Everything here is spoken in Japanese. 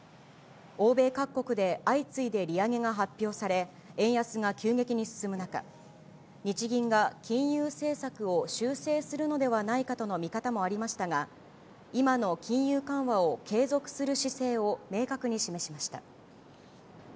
欧米各国で相次いで利上げが発表され、円安が急激に進む中、日銀が金融政策を修正するのではないかとの見方もありましたが、今の金融緩和を継続する姿勢を明確に示しました。